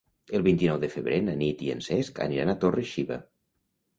El vint-i-nou de febrer na Nit i en Cesc aniran a Torre-xiva.